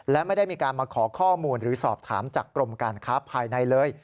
และไม่ได้มีการมาขอข้อมูลหรือสอบถามจากกรมการค้าภายในเลย